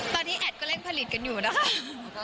ตอนนี้แอดก็เร่งผลิตกันอยู่นะคะ